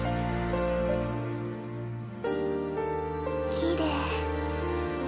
きれい。